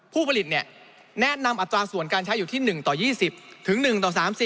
ผู้ผลิตแนะนำอัตราส่วนการใช้อยู่ที่๑ต่อ๒๐ถึง๑ต่อ๓๐